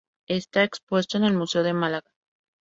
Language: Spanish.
Está expuesto en el Museo de Málaga.